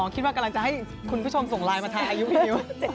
อ๋อคิดว่ากำลังจะให้คุณผู้ชมส่งไลน์มาถ่ายอายุพี่มิว